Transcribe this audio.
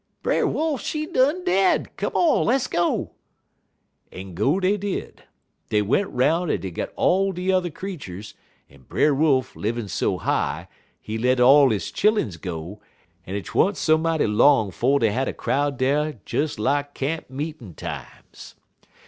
"'Brer Wolf, she done dead; come on, less go!' "En go dey did. Dey went 'roun' en dey got all de yuther creeturs, en Brer Wolf, livin' so nigh, he let all he chilluns go, en 't wa'n't so mighty long 'fo' dey had a crowd dar des lak camp meetin' times.